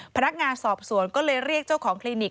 พนักงานสอบสวนก็เลยเรียกเจ้าของคลินิก